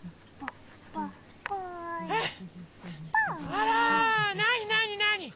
あらなになになに？